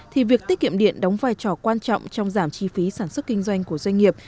thì việc tiết kiệm điện đóng vai trò quan trọng trong giảm chi phí sản xuất kinh doanh của doanh nghiệp